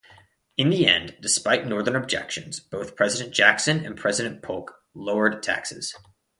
In the end, despite Northern objections, both President Jackson and President Polk lowered tariffs.